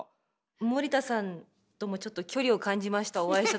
森田さんともちょっと距離を感じました